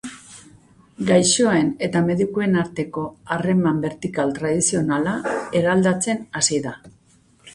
Gaixoen eta medikuen arteko harreman bertikal tradizionala eraldatzen hasi da.